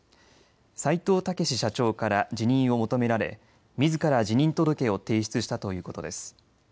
齊藤猛社長から辞任を求められみずから辞任届を提出したということです。